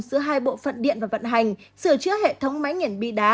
giữa hai bộ phận điện và vận hành sửa chữa hệ thống máy nghiền bi đá